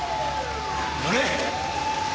乗れ！